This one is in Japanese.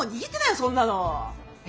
そんなの。え？